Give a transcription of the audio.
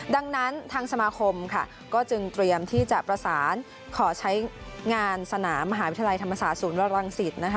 ดังนั้นทางสมาคมค่ะก็จึงเตรียมที่จะประสานขอใช้งานสนามมหาวิทยาลัยธรรมศาสตร์ศูนย์วรังสิตนะคะ